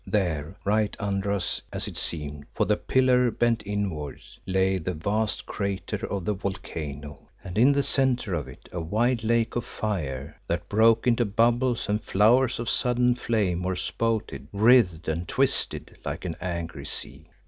There, right under us as it seemed, for the pillar bent inwards, lay the vast crater of the volcano, and in the centre of it a wide lake of fire that broke into bubbles and flowers of sudden flame or spouted, writhed and twisted like an angry sea.